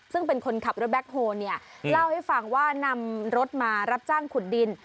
ซึ่งเป็นคนขับรถแบ็คโฮเนี่ยเล่าให้ฟังว่านำรถมารับจ้างขุดดิน